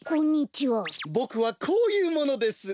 ボクはこういうものです。